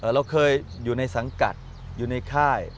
เราเคยอยู่ในสังกัดอยู่ในค่าย